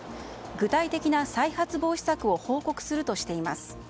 具体的な再発防止策を報告するとしています。